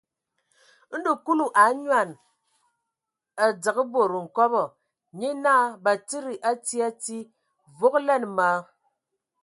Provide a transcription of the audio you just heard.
Ndɔ Kulu a anyoan, a dzǝgə bod nkobɔ, nye naa Batsidi a tii a tii, vogolanə ma a a.